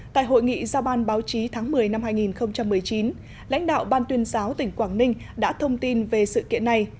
tại hội nghị giao ban báo chí tháng một mươi năm hai nghìn một mươi chín lãnh đạo ban tuyên giáo tỉnh quảng ninh đã thông tin về sự kiện này